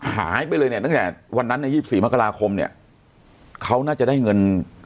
หายไปเลยเนี่ยตั้งแต่วันนั้นใน๒๔มกราคมเนี่ยเขาน่าจะได้เงิน